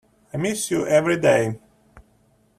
I miss you every day.